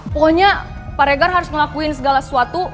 pokoknya pak regar harus ngelakuin segala sesuatu